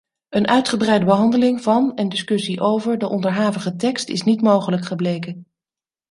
Een uitgebreide behandeling van en discussie over de onderhavige tekst is niet mogelijk gebleken.